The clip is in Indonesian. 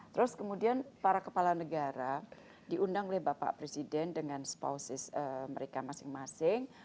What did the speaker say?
terus kemudian para kepala negara diundang oleh bapak presiden dengan sposis mereka masing masing